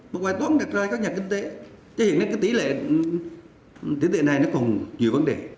mà bài toán đặt ra các nhà kinh tế chứ hiện nay tỉ lệ này nó còn nhiều vấn đề